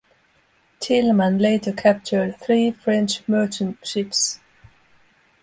"Tillman" later captured three French merchant ships.